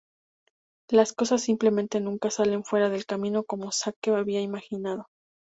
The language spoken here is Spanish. Las cosas simplemente nunca salen fuera del camino como Zeke había imaginado.